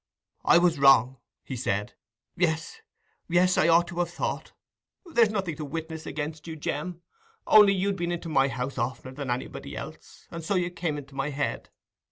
"I was wrong," he said—"yes, yes—I ought to have thought. There's nothing to witness against you, Jem. Only you'd been into my house oftener than anybody else, and so you came into my head.